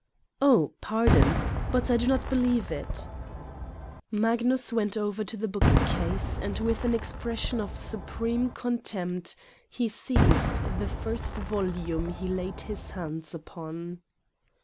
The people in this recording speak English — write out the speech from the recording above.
"Oh, pardon. But I do not believe it." Magnus went over to the bookcase and with an expression of supreme contempt he seized the first volume he laid his hands upon.